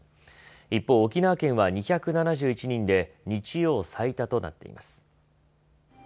一方、沖縄県は２７１人で日曜最多となっています。